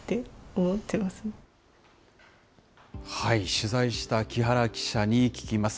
取材した木原記者に聞きます。